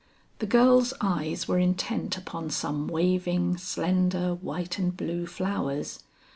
The girl's eyes were intent upon some waving, slender, white and blue flowers.